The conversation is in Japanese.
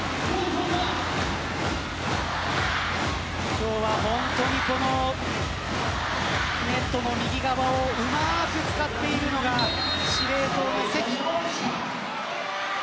今日は本当にネットの右側をうまく使っている司令塔の関。